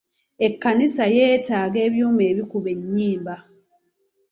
Ekkanisa yeetaaga ebyuma ebikuba ennyimba.